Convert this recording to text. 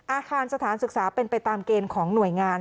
อาคารสถานศึกษาเป็นไปตามเกณฑ์ของหน่วยงาน